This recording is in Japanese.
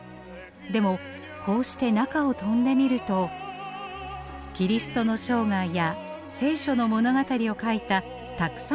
でもこうして中を飛んでみるとキリストの生涯や聖書の物語を描いたたくさんの絵がよく見えます。